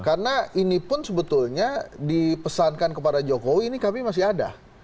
karena ini pun sebetulnya dipesankan kepada jokowi ini kami masih ada